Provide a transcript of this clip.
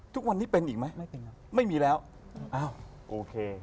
ทุกวันนี้เป็นอีกไหมไม่มีแล้วอ้าวโอเค